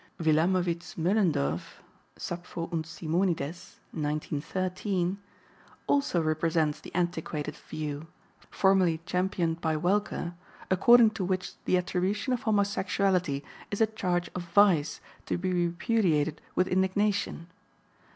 Wilamowitz Moellendorff (Sappho und Simonides, 1913) also represents the antiquated view, formerly championed by Welcker, according to which the attribution of homosexuality is a charge of "vice," to be repudiated with indignation.